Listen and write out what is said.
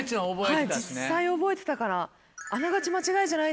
はい実際覚えてたから。